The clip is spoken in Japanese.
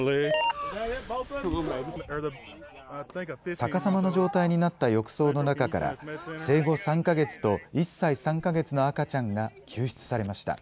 逆さまの状態になった浴槽の中から生後３か月と１歳３か月の赤ちゃんが救出されました。